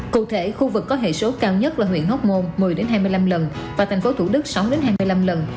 cụ thể khu vực có hệ số cao nhất là huyện hóc môn một mươi hai mươi năm lần và thành phố thủ đức sáu hai mươi năm lần